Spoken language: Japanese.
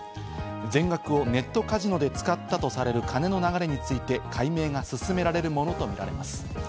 全額をネットカジノで使ったとされる金の流れについて解明が進められるものとみられます。